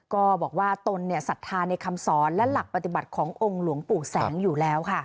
ก็บอกว่าตนศรัทธาในคำสอนและหลักปฏิบัติขององค์หลวงปู่แสงอยู่แล้วค่ะ